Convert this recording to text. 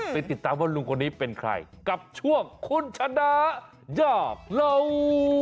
ไปติดตามว่าลุงคนนี้เป็นใครกับช่วงคุณชนะยากเหล่า